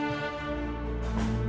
dia pasti ibunya